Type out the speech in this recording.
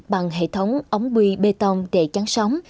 bằng hệ thống ống quy bê tông để trắng sóng